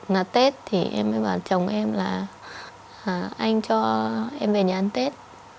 nào tết thì em mới bảo chồng em là anh cho em về nhà ăn tết